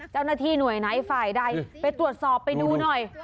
เจ้าหน้าที่หน่วยไหนฝ่ายใดไปตรวจสอบไปดูหน่อย